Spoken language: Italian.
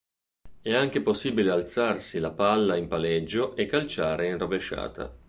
È anche possibile alzarsi la palla in palleggio e calciare in rovesciata.